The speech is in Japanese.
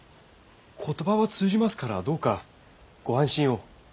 言葉は通じますからどうかご安心を。